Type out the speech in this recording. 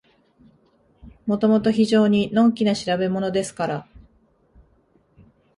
もともと非常にのんきな調べものですから、